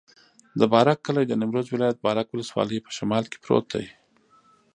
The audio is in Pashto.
د بارک کلی د نیمروز ولایت، بارک ولسوالي په شمال کې پروت دی.